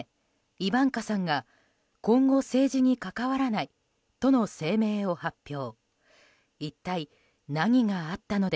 イバンカさんが今後、政治に関わらないとの声明を発表。